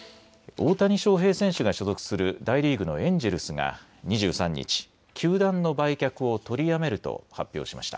大谷翔平選手が所属する大リーグのエンジェルスが２３日、球団の売却を取りやめると発表しました。